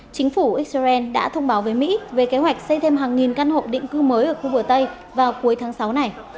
chính phủ israel đã thông báo với mỹ về kế hoạch xây thêm hàng nghìn căn hộ định cư mới ở khu bờ tây vào cuối tháng sáu này